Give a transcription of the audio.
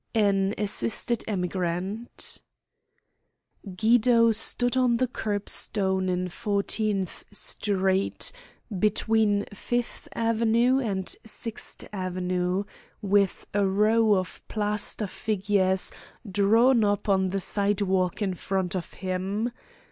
AN ASSISTED EMIGRANT Guido stood on the curb stone in Fourteenth Street, between Fifth Avenue and Sixth Avenue, with a row of plaster figures drawn up on the sidewalk in front of him.